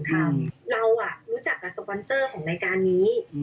ทำเรารู้จักกับสปอนเซอร์เรากานนี้